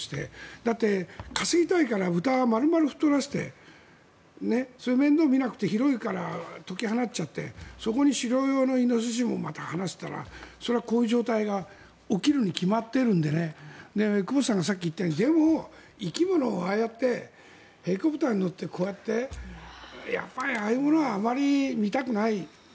だって、稼ぎたいから豚を丸々太らせて面倒見なくて広いから、解き放っちゃってそこに狩猟用のイノシシもまた放したらそれはこういう状態が起きるに決まってるんで久保田さんがさっき言ったように生き物をああやってヘリコプターに乗ってやっぱりああいうものはあまり見たくない。